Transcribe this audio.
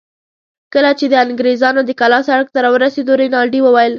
کله چې د انګرېزانو د کلا سړک ته راورسېدو، رینالډي وویل.